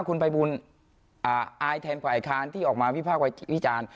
คุณภัยบูลอายแทนฝ่ายค้านที่ออกมาวิภาควิจารณ์